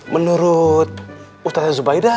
menurut ustazah zubaida